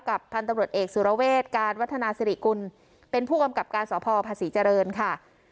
พันธุ์ตำรวจเอกสุรเวศการวัฒนาสิริกุลเป็นผู้กำกับการสพภาษีเจริญค่ะ